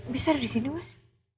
bisa ada disini mas